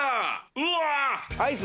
うわ！